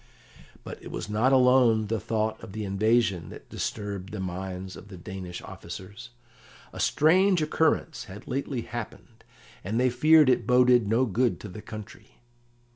But it was not alone the thought of the invasion that disturbed the minds of the Danish officers. A strange occurrence had lately happened, and they feared it boded no good to the country.